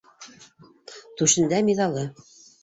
Түшендә - миҙалы.